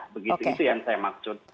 begitu itu yang saya maksud